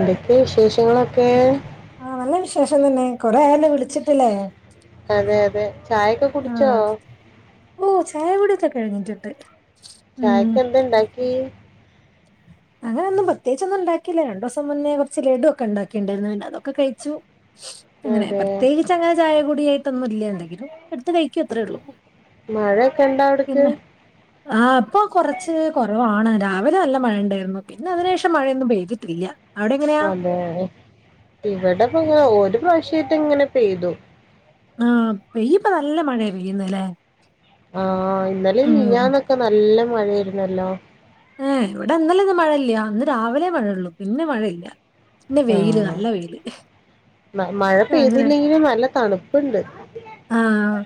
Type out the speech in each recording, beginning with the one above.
എന്തെക്കെ വിശേഷങ്ങളൊക്കേ ആഹ് നല്ല വിശേഷം തന്നെ കൊറേ ആയല്ലോ വിളിച്ചിട്ട്ല്ലേ അതെ അതെ ചായയൊക്കെ കുടി അഹ് ഇല്ല ചായ കുടിയൊക്കെ കഴിഞ്ഞിറ്റ്ണ്ട് ചായക്ക് എന്തെ ഇണ്ടാക്കി അങ്ങനൊന്നും പ്രത്യേകിച്ചൊന്നും ഉണ്ടാക്കിയില്ല രണ്ട് ദിവസം മുന്നേ കൊർച്ച് ലഡു ഒക്കെ ഇണ്ടാക്കി ണ്ടാര്ന്ന് പിന്നെ അതൊക്കെ കഴിച്ചു അങ്ങനെ അതെ പ്രത്യേകിച്ച് അങ്ങനെ ചായ കൂടിയായിട്ടൊന്നും ഇല്ല്യ എന്തെങ്കിലും ഇട്ത്ത് കഴികും അത്രേ ഒള്ളൂ മഴൊക്കെ ഇണ്ടാ അവ്ട്ക്ക് ആഹ് ഇപ്പൊ കൊറച്ച് കൊറവാണ് രാവിലെ നല്ല മഴണ്ടേര്ന്നു പിന്നെ അതിന് ശേഷം മഴയൊന്നും പെയ്തിട്ടില്ല്യ അതേ ഇവ്ടെ പ്പങ്ങനെ ഒരു പ്രാവിശ്യേറ്റെ ഇങ്ങനെ പെയ്തു ആഹ് പെയ്യുമ്പ നല്ല മഴയാ പെയ്യുന്നെത് ല്ലേ ആഹ് ഇന്നലിം മിൻഞ്ഞാന്നൊക്കെ നല്ല മഴായിര്ന്നല്ലോ ഏഹ് ഇവടെ ഇന്നലെ ഒന്നും മഴല്ല്യ അന്ന് രാവിലെ മഴയൊള്ളു പിന്നെ മഴയില്ല്യ ആഹ് മ മഴ അങ്ങനെ പെയ്തില്ലെങ്കിലും നല്ല തണ് പ്പ്ണ്ട് ആഹ്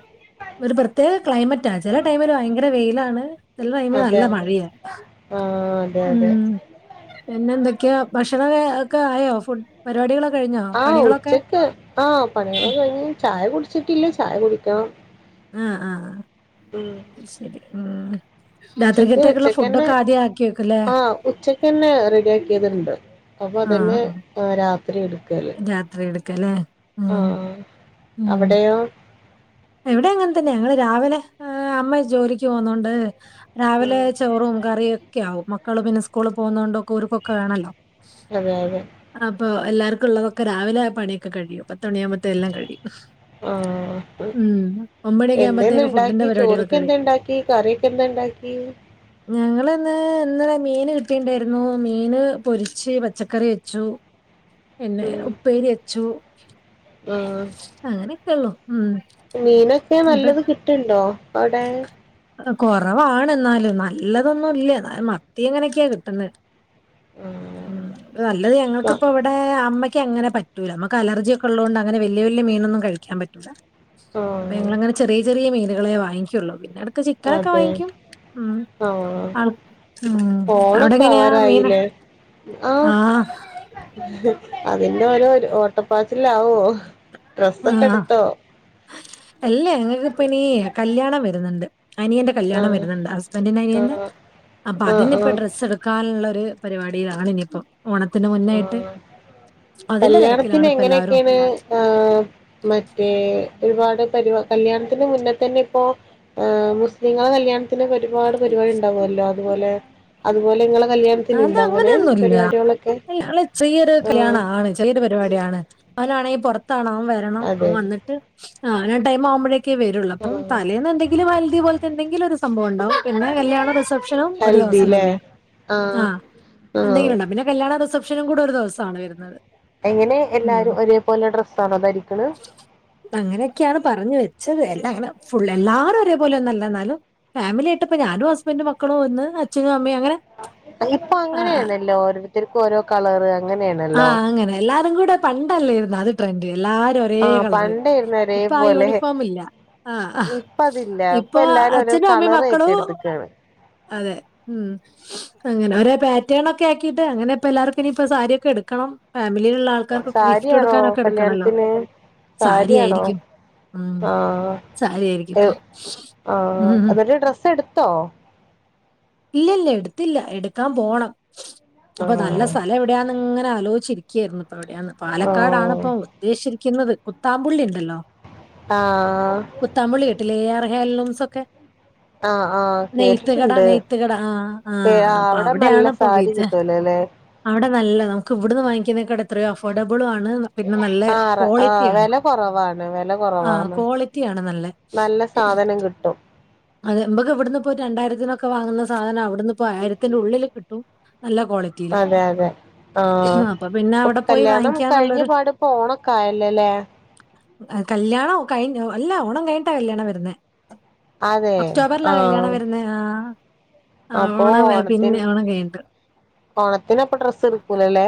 ഒരു പ്രത്യേക ക്ലൈമറ്റാ ചെല ടൈമില് ഭയങ്കര വെയ്ലാണ് ചെല ടൈമില് അതെ നല്ല അതെ മഴയാ ആ അതെ അതെ ഉം പിന്നെ എന്തൊക്കെയാ ഭക്ഷണൊക്കെ ഒക്കെ ആയോ ഫുഡ് പരിവാടികളൊക്കെ കഴിഞ്ഞോ പണികളൊക്കെ ആഹ് പണികള് ഉം. ഒകെ കഴിഞ്ഞ് ചായ കുടിച്ചിട്ടില്ല ചായ കുടിക്കണം ആഹ് ആഹ് ഉം അയ് ശെരി ഉം ഉച്ചക്ക് രാത്രികത്തേക്ക്ള്ള ഫുഡൊക്കെ ആദ്യം ആക്കി വെക്കുംല്ലേ ഉച്ചക്കെന്നെ റെഡിയാക്കിയത്ണ്ട് അപ്പൊ അതെന്നെ ആഹ് രാത്രി എട്ക്കല് രാത്രി എട്ക്ക ല്ലേ ആഹ് ആഹ് അവ്ടെയോ ഇവ്ടെ അങ്ങൻതന്നെ ഞങ്ങള് രാവിലെ എഹ് അമ്മ ജോലിക്ക് പോവുന്നോണ്ട് രാവിലെ ആഹ് ചോറും കറിയും ഒക്കെയാവും മക്കള് പിന്നെ സ്കൂള് പോകുന്നോണ്ട് ഒക്കെ ഓര്ക്കൊക്കെ വേണല്ലോ അതെ അതെ. അപ്പൊ എല്ലാർക്കും ഉള്ളതൊക്കെ രാവിലെ ആ പണിയൊക്കെ കഴിയും പത്തണിയാകുമ്പോത്തേ എല്ലാം കഴിയും. ആഹ് ഉം. ഒമ്പണിയൊക്കെ എന്തേ ആകുമ്പത്തേക്ക് ഫുഡിന്റെ ഇന്ന്ണ്ടാക്കി പരിപാടികളൊക്കെ ചോറ്ക്കെ കഴിയും. എന്തേണ്ടാക്കി കറിയൊക്കെ എന്തേണ്ടാക്കി? ഞങ്ങള്ന്ന് ഇന്നലെ മീന് കിട്ടിണ്ടായിരുന്നു മീന് പൊരിച്ച് പച്ചക്കറി വെച്ചു. പിന്നെ ഉം ഉപ്പേരി വെച്ചു ആഹ് അങ്ങനെയൊക്കെള്ളു ഉം. മീനൊക്കെ ഇപ്പ നല്ലത് കിട്ടുണ്ടോ അവ്ടെ. കൊറവാാണ് എന്നാലും നല്ലതൊന്നുല്ല എന്ന മത്തി ഇങ്ങനെയൊക്കെയാ കിട്ടുന്നെ. ആഹ് നല്ലത് മ ഞങ്ങൾക്ക് ഇപ്പം ഇവ് ടെ അമ്മയ്ക്ക് അങ്ങനെ പറ്റൂല അമ്മക്ക് അലർജിയൊക്കെ ഉള്ളോണ്ട് അങ്ങനെ വല്യ വല്യ മീനൊന്നും കഴിക്കാൻ പറ്റൂല അപ്പൊ ആഹ് ഞങ്ങളങ്ങനെ ചെറിയ ചെറിയ മീനുകളെ വാങ്ങിക്കുള്ളോ പിന്നെ ഇടക്ക് ചിക്കനൊക്കെ അതെ വാങ്ങിക്കും. ഉം. ആഹ് ആൾ ഉം. അവിടെ ഓണക്കെ എങ്ങനെയാ മീന്? അവറായില്ലേ. ആഹ് അതിന്റെ ഓരോ ഓട്ടപ്പാച്ചിലാവോ ഡ്രസ്സൊക്കെ എടുത്തോ. അല്ലേ ഞങ്ങക്ക് ഇപ്പം ഇനി കല്യാണം വരുന്നുണ്ട് അനിയന്റെ കല്യാണം ആഹ് വര്ന്ണ്ട് ഹസ്ബന്റിന്റെ അനിയന്റെ ആഹ് അപ്പൊ ആഹ് അതിനിപ്പൊ ആഹ് ഡ്രസ്സ്‌ എടു ക്കാനുള്ളരു പരിപാടിയിലാണ് ഇനിയിപ്പം. ഓണത്തിന്റെ മുന്നായിട്ട് ആഹ് അതിന്റെ തിരക്കിലാണ് ഇപ്പം എല്ലാവരും ഉം മറ്റേ ഒരുപാട് പരി കല്യാണത്തിന് മുന്നേ തന്നെ ഇപ്പോ മുസ്ലിങ്ങളെ കല്യാ ണ്തിനൊക്കെ ഒരുപാട് പരിപാടി ഉണ്ടാവുല്ലോ അതുപോലെ അതുപോലെ നിങ്ങള അത് കല്യാൺത്തിനുണ്ടൊ അങ്ങനെ അങ്ങനെയൊന്നുമില്ല. പരിപാടികളൊക്കെ. ഞങ്ങള് ചെറിയൊരു ആഹ് കല്യാണം ആണ് ചെറിയരു പരിപാടിയാണ് അവനാണെങ്കിൽ പുറത്താണ് അവൻ വരണം അവൻ അതെ വന്നിട്ട്. ആഹ് അവനാ ടൈമാവുമ്പഴൊക്കേ വരുള്ളൂ അപ്പ ആഹ് തലേന്ന് എന്തെങ്കിലും ഹൽധി പോൽത്തെ എന്തെങ്കിലും സംഭവം ഉണ്ടാവും പിന്നെ കല്യാണ റിസെപ്ഷനും ഒരുദിവസം ഹൽദില്ലേ തന്നെയ ആഹ് ആഹ് എന്തെങ്കിലും ഉണ്ടാവും പിന്നെ കല്യാണ റിസപ്ഷനും കൂടെ ഒരു ദിവസാണ് വരുന്നത് എങ്ങനെ ഉം. എല്ലാരും ഒരേപോലെ ഡ്രസ്സണോ ധരിക്ക്‌ണ് അങ്ങനെയൊക്കെയാണ് പറഞ്ഞ് വെച്ചത് എല്ലാം അങ്ങനെ ഫുള്ള് എല്ലാരും ഒരേപോലെ ഒന്നല്ല ഇന്നാലും ഫാമിലിയായിട്ട്പ്പ ഞാനും ഹസ്ബന്റും മക്കളും ഒന്ന് അച്ഛനും അമ്മയും അങ്ങനെ. ഇപ്പൊ ആ അങ്ങനെയാണല്ലോ ഓരോത്തര്ക്ക്‌ ഓരോ കളറ് അങ്ങനെയാണല്ലോ ആഹ് അങ്ങനെ എല്ലാരും കൂടെ പണ്ടല്ലേര്ന്നൊ അത് ട്രെൻഡ് എല്ലാരും ഒരേ ആഹ് കളറ് പണ്ടായിരുന്നു ഇപ്പൊ ആ ഒരേപോലെ യൂണിഫോം ഇല്ല. ആഹ് ആ ഇപ്പ അതില്ല ഇപ്പൊ എല്ലാരും ഓരോ അച്ഛനും അമ്മയും കളർ മക്കളും. ഏറ്റെടുത്തക്കാണ് അതെ ഉം അങ്ങനെ ഒരേ പാറ്റേണൊക്കെ ആക്കിട്ട് അങ്ങനെ ഇപ്പ എല്ലാവർക്കും ഇനിപ്പോ സാരി ഒക്ക എടുക്കണം ഫാമിലിയിലുള്ള ആൾക്കാർക്കൊക്കെ ഗിഫ്റ്റ് സാരിയാണോ കൊടുക്കാനൊക്കെ എടുക്കണല്ലോ കല്യാണത്തിന് സാരിയാണോ സാരിയായിരിക്കും ഉം സാരിയായിരിക്കും ഇപ്പ ആഹ് ആഹ് ഉം എന്നിട്ട് ഡ്രസ്സ് എടുത്തോ ഇല്ല ഇല്ല എടുത്തില്ല എടുക്കാൻ പോണം അപ്പൊ നല്ല ആഹ് സ്ഥലം എവിടെയാന്ന് ഇങ്ങനെ ആലോചിച്ചിരിക്കുകയായിരുന്നു ഇപ്പവിടെയന്ന് ആഹ് പാലക്കാടാണിപ്പൊ ഉദ്ദേശിരിക്കുന്നത് കുത്താമ്പുള്ളി ഉണ്ടല്ലോ ആഹ് കുത്താമ്പുള്ളി കേട്ടില്ലേ എ ആർ ഹേലുംസൊക്കെ ആഹ് ആഹ് നെയ്ത്തുകട കേട്ടിട്ടുണ്ട് നെയ്ത്തുകട ആ ആഹ് അപ്പൊ അവിടെ നല്ല അവിടെയാണപ്പൊ സാരി വിചാ കിട്ടൂലല്ലേ അവിടെ നല്ല നമുക്ക് ഇവിടുന്ന് വാങ്ങിക്കുന്നേക്കാട് എത്രയോ അഫോർഡബിളും ആണ് പിന്നെ നല്ല ആഹ് ക്വാളിറ്റി ആഹ് ആണ് വില കുറവാണ് വില ആ കുറവാണ് ക്വാളിറ്റിയാണ് നല്ല നല്ല സാധനം കിട്ടും അത് ഇമ്പക്ക് ഇവിട്ന്ന്പ്പൊ ഒര് രണ്ടായിരത്തിനൊക്കെ വാങ്ങുന്ന സാധനം അവിടുന്ന് ഇപ്പോ ആയിരത്തിന്റെ ഉള്ളിൽ കിട്ടും നല്ല ക്വാളി അതെ അതെ പിന്നെ ആഹ് അവിടെ പോയി കല്യാണം കഴിഞ്ഞ വാങ്ങിക്കാന്നുള്ളൊരു പാട് ഓണക്കെ ആയല്ലോല്ലെ കല്യാണം കഴിഞ്ഞ അല്ല ഓണം കഴിഞ്ഞിട്ടാ കല്യാണം വെരുന്നെ അതെ ഒക്ടോബർലാ കല്യാണം ആഹ് വെരുന്നെ ആഹ് അപ്പൊ ഓണം പിന്നെ ഓണത്തിന് ഓണം കഴിഞ്ട്ട് ഓണത്തിന് അപ്പ ഡ്രസ്സ് എടുക്കൂലല്ലേ?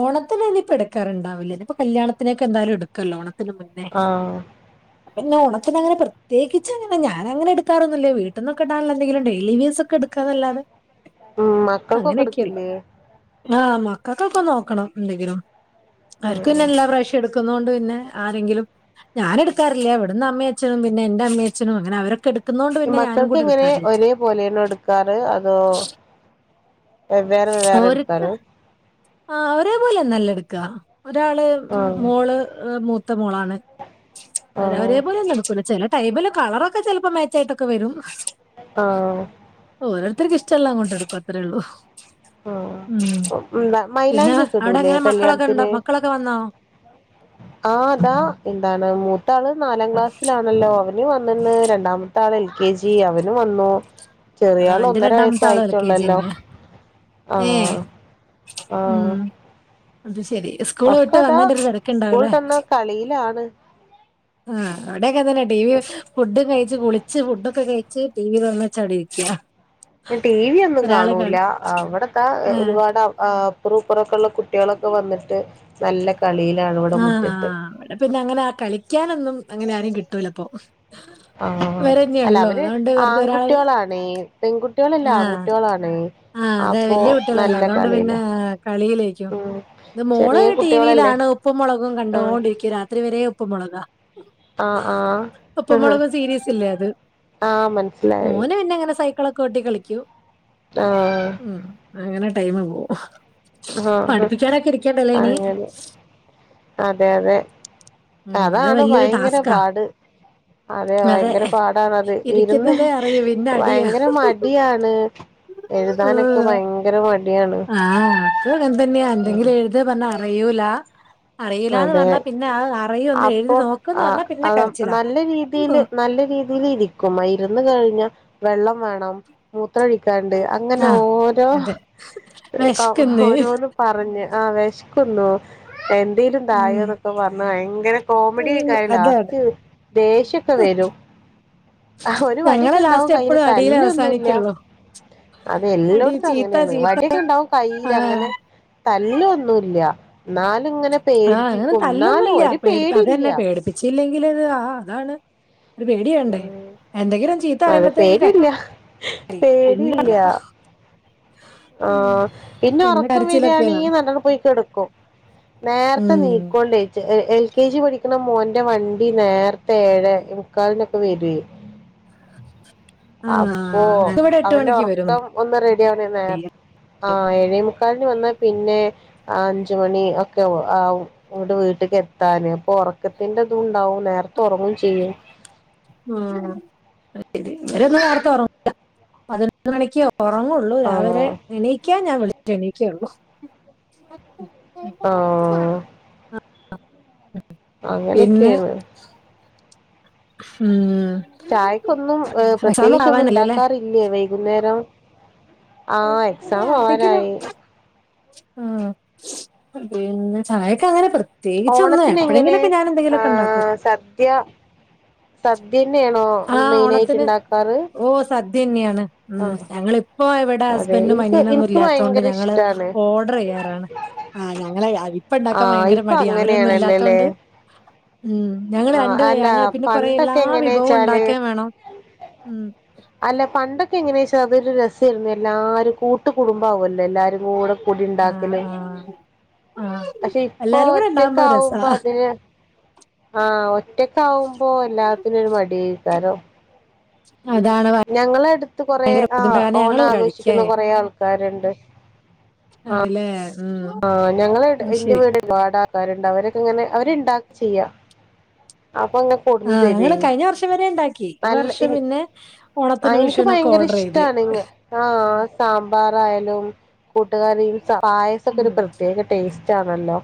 ഓണത്തിന് ഇനി ഇപ്പ എടുക്കാറുണ്ടാവില്ല ഇനി ഇപ്പൊ കല്യാണത്തിനൊക്കെ എന്തായാലും എടുക്കല്ലോ ഓണത്തിന് മുന്നേ ആഹ് പിന്നെ ഓണത്തിനങ്ങനെ പ്രത്യേകിച്ചങ്ങനെ ഞാനങ്ങനെ എടുക്കറൊന്നുല്ല വീട്ട്ന്നൊക്കെ ഇടാൻള്ളെ എന്തെങ്കിലും ഡേയിലി വീസൊക്കെ ഇട് ക്കതല്ലാതെ ഉം മക്കൾക്കൊക്കെ അങ്ങനെക്കെള്ളൂ എടുക്കില്ലേ ആഹ് മക്കക്കൊക്കെ നോക്കണം എന്തെങ്കിലും അവർക്ക് പിന്നെ ഉം എല്ലാ പ്രാവശ്യം എടുക്കുന്നോണ്ട് പിന്നെ ആരെങ്കിലും ഞാന് എടുക്കാറില്ല ഇവട്ന്ന് അമ്മീം, അച്ഛനും പിന്നെ എന്റെ അമ്മീം, അച്ഛനും അങ്ങനെ അവരൊക്കേ എട് മക്കക്ക് എങ്ങനെ ഒരേ പോലെയാണോ എടുക്കാറ് അതോ വേവ്വേറെ വേവ്വേറെ ഓര്ക്ക് എടുക്കാറ് ആഹ് ഒരെ പോലെ ഒന്നു അല്ല എടുക്ക ഒരാള് ആഹ് മോള് മൂത്ത മോളാണ് ആഹ് ഒരേപോലെ ഒന്നും എടുക്കൂല ചെലെ ടൈമില് കളറൊക്കെ ചെൽപ്പോ മേച്ചായിട്ടൊക്കെ വെരും ആഹ് ഓരോര്ത്തർക്ക് ഇഷ്ടള്ളത് അങ്ങോട്ട്‌ എടുക്കും അത്രേള്ളൂ ആഹ് എന്താ പിന്നെ മൈലാഞ്ചി ഒക്കെ അവിടെ ഇടൂലെ എങ്ങനെ മക്കളൊക്കെ ഉണ്ടോ? കല്യാണത്തിന് മക്കളൊക്കെ വന്നോ? ആഹ് ഇതാ എന്താണ് മൂത്ത ആള് നാലാം ക്ലാസ്സിലാണല്ലോ അവ വനും വന്ന്ണ്ട് രണ്ടാമത്തെ ആള് എൽ കെ ജി അവനും വന്നു ചെറിയ ആഹ് ആള് എന്റെ ഒന്നര രണ്ടാമത്തെ ആള് എൽ കെ ജി വയസ്സായിട്ടോള്ളല്ലോ തന്നെയാ. ഏഹ് ആഹ് ഉം അത് ശെരി സ്കൂള് വിട്ട് ഒക്കെതാ വന്നെന്റെ ഒരു തെരക്ണ്ടാവുലെ സ്കൂളിട്ടന്ന് കളിയിലാണ് ആഹ് അവിടെക്കെ അതന്നെ ടി വി ഫുഡും കഴിച്ച് കുളിച്ച് ഫുഡൊക്കെ കഴിച്ച് ടിവി തോറന്നച്ച് അവിടെ ഇരി യാ ടി വി ഒന്നും കാണൂല ഇവടതാ ആഹ് ഒരുപാട് ആഹ് അപ്പറും ഇപ്പറോക്കെല്ലേ കുട്ടികളൊക്കെ വന്നിട്ട് നല്ല കളിയിലാണ് ഇവിടെ ആഹ് മുറ്റത്ത് ആഹ് ഇവടെ പിന്നെ അങ്ങനെ ആ കളിക്കാനൊന്നും അങ്ങനെ ആരും കിട്ടൂലപ്പൊ ആഹ് അല്ല അവര് കൊറച്ച് ഒരാള് ആൺകുട്ടികളാണെ പെൺകുട്ടികളല്ല ആഹ് ആൺകുട്ടികളാണെ ആഹ് അതെ വല്യ കുട്ടികളല്ലോ അതുകൊണ്ട് പിന്നെ കളിയിലേക്കും ഉം ഇത് മോള് ചെറിയ ടി കുട്ടികളല്ലേ ടിവിലാണ് ഉപ്പും മുളകും ആഹ് കണ്ടൊണ്ടിരിക്കും രാത്രി വരെ ഉപ്പും മുളകാ ആഹ് ഉപ്പും ആഹ് മുളകും സീരിയസ് ഇല്ലേ അത് ആഹ് മനസ്സിലായി പിന്നങ്ങനെ സൈക്കിളെക്കെ ഓട്ടി കളിക്കും ആഹ് ഉം അങ്ങനെ ടൈമ് പോവും ആഹ് പഠിപ്പിക്കാനൊക്കെ ഇരിക്കണ്ടല്ലോ ഇനി [unintelligible] അതെ അതെ ഉം അത് അതാണ് വല്യൊരു ഭയങ്കര ടാസ്കാ പാട് അതെ ഭയങ്കര പാടാണത് ഇരുന്ന് ഇരിക്കുന്നതേ അറിയൂ പിന്നെ അടിയാ ഭയങ്കര മ ടിയാണ് എഴുതാനൊക്കെ ഉം ഭയങ്കര മടിയാണ് ആഹ് അപ്പ അങ്ങൻതന്നെയാ എന്തെങ്കിലും എഴുത് പർഞ്ഞ അറിയൂല അറിലാന്ന് അതെ പർഞ്ഞാ പിന്നെ ആ അറിയും ഒന്ന് അപ്പൊ എഴുതി നോക്ക്ന്ന് ആ പർഞ്ഞാ പിന്നെ കരച്ചിലാ നല്ല രീതിയില് നല്ല ഇരിക്കും ഇരുന്ന് കഴിഞ്ഞാ വെള്ളം വേണം മൂത്ര ഒ ക്കാണ്ട് അങ്ങനെ ആഹ് ഓരോ അതെ ക വെശ്ക്ക്ന്ന് ഓരോന്നും പറഞ്ഞ് ആഹ് വെശ്ക്കുന്നു എന്തേലും ഉം തായോന്നൊക്കെ പർഞ് ഭയങ്കര ഉം കോമഡിയ്കാര് അതാണ് ലാസ്റ്റ് ദേഷ്യംക്കെ വരും ഒരു വടിയൊക്കെ ഞങ്ങളെ ഇണ്ടാവും ലാസ്റ്റ് കയ്ൽ എപ്പഴും അടിയിലെ തല്ല് ഒന്നുംല്ല അവസാനിക്കുള്ളൂ അടി അതെല്ലോട്ത്തും ചീത്ത അങ്ങനെയാണ് ചീത്ത വടിയൊക്കെണ്ടാവും കയ്ൽ ആഹ് അങ്ങനെ തല്ലൊന്നുല്ല ന്നാലും ഇങ്ങനെ ആഹ് അങ്ങനെ പേടിപ്പിക്കും ന്നാലും ഒരു പേടിയില്ല വെച്ചില്ലെങ്കിലൊര് ആഹ് അതാണ് ഒരു പേടിയേണ്ടേ ഉം എന്തെങ്കിലും അതെ ചീത്തറിമ്പത്തേക്ക് ക പേടിയില്ല പിന്നല്ല പേടിയില്ല ഉം ആഹ് പിന്നെ ഉറക്കം വരുവാന്നെ നല്ലോണ്ണം പോയി കിടക്കും നേർത്തെ ഉം നീക്കൊണ്ടേച്ച് എയ് എയ് യൂ കെ ജി പഠിക്കണ മോന്റെ വണ്ടി നേർത്തെ ഏഴേ മുക്കാൽനൊക്കെ വെരെ [unintelligible] അപ്പൊ ആഹ് ഞങ്ങക്ക് ഇവിടെ എട്ട് അവന്റെ മണിക്ക് വരും ഉം ഒറക്കം ഒന്ന് റെഡി ആവണേന്ന് നേർ ആഹ് ഏഴേമുക്കാൽന് വന്നാ പിന്നെ അഞ്ചുമണി ഒക്കെ ആവും ഇവിടെ വീട്ടിക്ക് എത്താന് അപ്പൊ ഒറക്കത്തിന്റെ ഇതുണ്ടാവും നേരത്തെ ഒറങ്ങും ചെയ്യും ആഹ് [unintelligible] വരൊന്ന് പതിനൊന്ന് മണിക്ക് ഉറങ്ങുള്ളൂ ആ രാവിലെ എണീക്കാൻ ഞാൻ വിളിറ്റെ എണീക്കുള്ളൂ ആഹ് [unintelligible] പിന്നെ അങ്ങനെയൊക്കെയാണ് ഉം ചായക്കൊന്നും എക്സാം പ്രത്യേകിച്ചൊന്നും ആവാനല്ലേ ഉണ്ടാക്കാറില്ലേ വൈകുന്നേരം ആഹ് എക്സാം ആവനായി ആഹ് പിന്നെ ചായക്കങ്ങനെ പ്ര ത്യേകിച്ചൊന്ന് ഓണത്തിനെങ്ങനെ എപ്പഴങ്കിലുക്കെ ഞാനെന്തെങ്കിലൊക്കെണ്ടാക്കും ആഹ് സദ്യ സദ്യന്നെയാണോ മെയിനായിട്ട് ഇണ്ടാക്കാറ് സദ്യന്നെയാണ് ഉം ആഹ് ഞങ്ങളിപ്പോ ഇവിടെ അതെ ഹസ്ബൻഡും ഇൻക്ക് അനിയനും ഒന്നും ഇൻക്ക് ഇല്ലാത്തൊണ്ട് ഭയങ്കര ഞങ്ങള് ഇഷ്ടാണ്. ഓർഡറെയ്യാറാണ് ആഹ് ഞങ്ങളെ ഇപ്പണ്ടാക്കാൻ ആഹ് ഭയങ്കര ഇപ്പൊ മടിയ അങ്ങനെയാണല്ലോല്ലേ? അവരൊന്നുല്ലാത്തൊണ്ട് ഉം ഞങ്ങള് ആഹ് രണ്ട് പേ അല്ല ഞങ്ങള് പിന്നെ കൊറെ എല്ലാ പണ്ടൊക്കെ വിഭവവും എങ്ങനെച്ചാല് ഉണ്ടാക്കേം വേണം ഉം അല്ല പണ്ടൊക്കെ എങ്ങനെയാച്ച അതൊരു രസായിരുന്നു എല്ലാരും കൂട്ട് കുടുംബ ആവോല്ലെ എല്ലാരും കൂടെ ആഹ് പൊടിണ്ടാക്കല് ആഹ് ആഹ് പക്ഷെ ഇപ്പൊ എല്ലാരും കൂടെ ഉണ്ടാവുമ്പോ രസാ ഒറ്റക്കാവുമ്പോ അതിന് ആഹ് ഒറ്റക്കാവുമ്പോ എല്ലാത്തിനും ഒരു മടിയ്കാരോ അതാണ് വ ഞങ്ങളടുത്ത് കൊറെ ആഹ് ഓണം കഴിക്കേ ആഘോഷിക്കുന്ന കൊറെ ആൾക്കാരുണ്ട് ആണ്ല്ലേ ഉം ആഹ് ഞങ്ങള് എന്റെ ശരി വീട് വാടാൾക്കാരുണ്ട് അവരൊക്കെ ഇങ്ങനെ അവരുണ്ടാക് ചെയ്യാ അപ്പൊങ്ങ പൊതിഞ്ഞു ആഹ് തരുവെ ഞങ്ങള് കഴിഞ്ഞ വർഷം വരെ ഉണ്ടാക്കി ഈ നല് വർഷം നി പിന്നെ ആഹ് ഓണത്തിനും എനിക്ക് വിഷുവിനൊക്കെ ഭയങ്കര ഓർഡർ ചെയ്ത് ഇഷ്ട്ടാണ് ആഹ് സാമ്പാറായാലും കൂട്ടുകറീം പായസൊക്കെ ഉം ഒരു പ്രത്യേക ടേസ്റ്റാണല്ലോ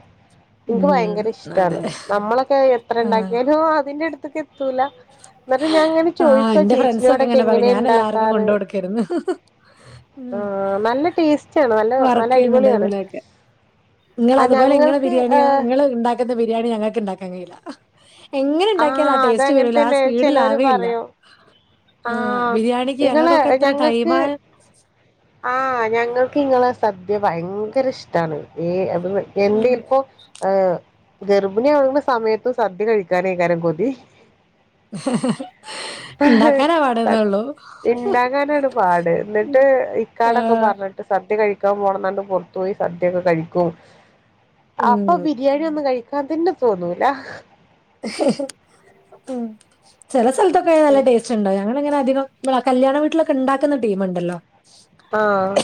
എനിക്ക് ഉം ഭയങ്കര അതെ ഇഷ്ട്ടാണ് നമ്മളൊക്കെ എത്ര ഇണ്ടാ ആഹ് ഓഹ് അതിന്റട്ത്ക്ക് എത്തൂല എന്നിട്ട് ഞാൻ അങ്ങനെ ആഹ് ചോയിക്കുവ എന്റെ ഫ്രണ്ട്സൊക്കെ ചേച്ചിനോടക്കെ ഇങ്ങനെ പറയും എങ്ങനെയ ഞാൻ എല്ലാവർക്കും ഇണ്ടാക്കാറ് കൊണ്ട് കൊടുക്കായിരുന്നു ഉം ആഹ് നല്ല ടേസ്റ്റാണ് നല്ല നല്ല വർക്ക് ചെയ്യുന്ന അടിപൊളിയാണ് ടൈമിലൊക്കെ ആഹ് ഞങ്ങൾക്ക് ഏഹ് ങ്ങത്തെ ബിരിയാണി ഞങ്ങക്ക് ഇണ്ടാക്കാൻ കഴിയില്ല എങ്ങനെ ഇണ്ടാക്കിയാലും ആഹ് ടേസ് അങ്ങൻതന്നെ ചെലോര് പറയും ആഹ് ബിരിയാണിക്ക് ഇങ്ങള് ഞങ്ങൾക്കൊക്കെ എത്ര ഞങ്ങക്ക് ടൈമാ ആഹ് ഞങ്ങൾക്ക് ഇങ്ങളെ സദ്യ ഭയങ്കര ഇഷ്ടാണ് ഏഹ് അത് എന്ത്യേ ഉം ഇപ്പോ ഏഹ് ഗർഭിണിയാവുന്ന സമയത്തും സദ്യ കഴിക്കാനേക്കാരം കൊതി ഉണ്ടാക്കാനാ സ പാടുന്നേള്ളൂ. ഇണ്ടാക്കാനാണ് പാട് എന്നിട്ട് ഇക്കാടൊക്കെ ആഹ് പറഞ്ഞി ട്ട് സദ്യ കഴിക്കാൻ പോണന്നാണ്ട് പൊറത്തു പോയി സദ്യൊക്കെ കഴിക്കും ഉം. അപ്പൊ ബിരിയാ ണിയൊന്നും കഴിക്കാൻ പിന്നെ തോന്നൂല ഉം ചെല സ്ഥത്തോക്കെ നല്ല ടേസ്റ്റ് ചുണ്ടോ ഞങ്ങളിങ്ങനെ അധികം മ്മള കല്യാണ വീട്ടിലൊക്കെ ഇണ്ടാക്കുന്ന ടീമിണ്ടല്ലോ ആഹ്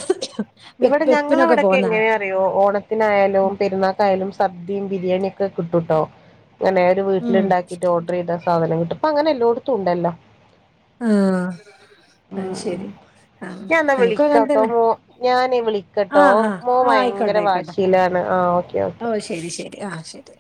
വെ ഇവിടെ വെപ്പിനൊക്കെ ഞങ്ങളവിടെക്കെ പോവുന്ന എങ്ങനെയ വെ യ്യോ ഓണത്തിനായാലും പെരുന്നാക്കായാലും സദ്യയും ബിരിയാണിയൊക്കെ കിട്ടൂട്ടോ അങ്ങനെ ന്റെ ഉം വീട്ടിലിണ്ടാക്കീട്ട് ഓർഡർ ചെയ്താ സാധനം കിട്ടും പ്പ അങ്ങനെല്ലായിടത്തും ഒണ്ടല്ലോ ആഹ് ഉം അയ്ശരി ആഹ് ഞാൻ എന്നാ എൻക്കു വിളിക്കാട്ടോ അങ്ങൻത്തന്നെ ആഹ് ആഹ് മോൻ ആഹ് വയങ്കര വാശിയിലാണ് ആഹ് ഓക്കേ പ്പോ ഓക്കേ ശെരി ശെരി ആഹ് ശെരി